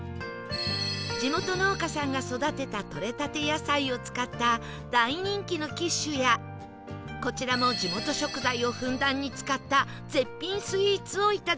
地元農家さんが育てた採れたて野菜を使った大人気のキッシュやこちらも地元食材をふんだんに使った絶品スイーツをいただきましょう